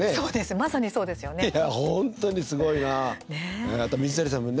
まさにそうですよね。